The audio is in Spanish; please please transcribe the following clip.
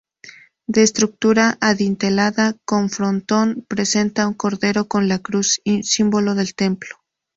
De estructura adintelada con frontón, presenta un Cordero con la cruz, símbolo del templo.